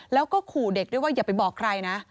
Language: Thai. แล้วก็ขู่เด็กด้วยว่าอย่าไปบอกใครนะ